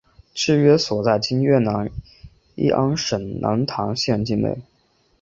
治所约在今越南乂安省南坛县境内。